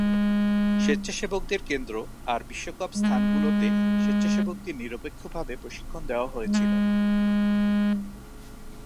স্বেচ্ছাসেবকদের কেন্দ্র আর বিশ্বকাপ স্থানগুলোতে, স্বেচ্ছাসেবকদের নিরপেক্ষভাবে প্রশিক্ষণ দেয়া হয়েছিল।